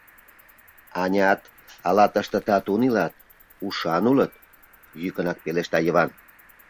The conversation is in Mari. — Анят, ала тыште татун илат, ушан улыт? — йӱкынак пелешта Йыван.